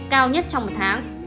cao nhất trong một tháng